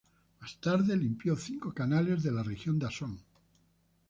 Más tarde, limpió cinco canales de la región de Asuán.